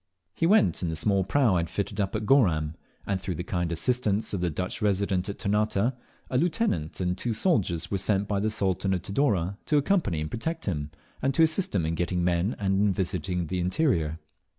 He went in the small prau I had fitted up at Goram, and through the kind assistance of the Dutch Resident at Ternate, a lieutenant and two soldiers were sent by the Sultan of Tidore to accompany and protect him, and to assist him in getting men and in visiting the interior.